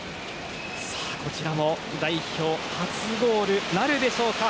こちらも代表初ゴールなるでしょうか。